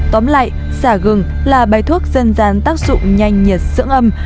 tóm lại xả gừng là bài thuốc dân gian tác dụng nhanh nhiệt dưỡng âm